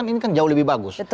ini kan jauh lebih bagus